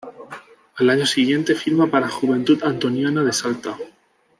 Al año siguiente firma para Juventud Antoniana de Salta.